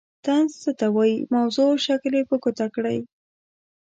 طنز څه ته وايي موضوع او شکل یې په ګوته کړئ.